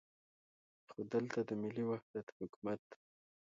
خو دلته د ملي وحدت حکومت.